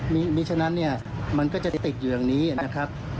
นี่ฉะนั้นมันก็จะติดอยู่อย่างนี้นะครับ